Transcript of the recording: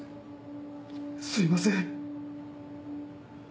すいません。